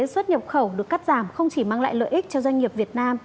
xuất nhập khẩu được cắt giảm không chỉ mang lại lợi ích cho doanh nghiệp việt nam